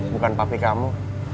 bukan papi kamu